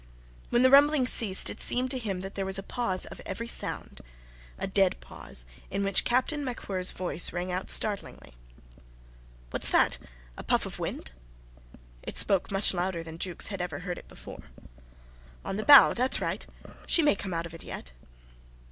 When the rumbling ceased it seemed to him that there was a pause of every sound, a dead pause in which Captain MacWhirr's voice rang out startlingly. "What's that? A puff of wind?" it spoke much louder than Jukes had ever heard it before "On the bow. That's right. She may come out of it yet."